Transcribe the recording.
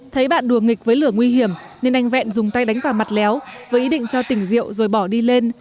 thấy bạn đùa nghịch với lửa nguy hiểm nên anh vẹn dùng tay đánh vào mặt léo với ý định cho tỉnh rượu rồi bỏ đi lên